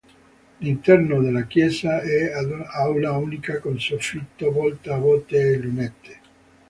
L'interno della chiesa è ad aula unica con soffitto volta a botte e lunette.